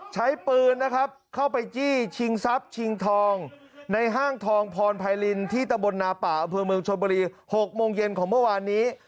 ใช้ปืนเข้าไปจี้ชิงทองในห้างทองพรไพฬินที่ตะบนนาป่าเมืองชนบุรี๖โมงเย็นของเมื่อวานนี้